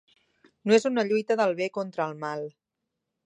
No és una lluita del bé contra el mal.